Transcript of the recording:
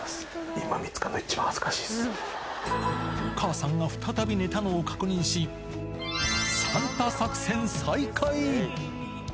今、お母さんが再び寝たのを確認し、サンタ作戦再開。